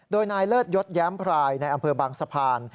โดยนายเลิศยศแย้มพรายในอำเภอบางสะพาน